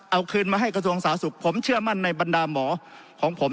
เอาคืนมาให้กระทรวงสาธารณสุขผมเชื่อมั่นในบรรดาหมอของผม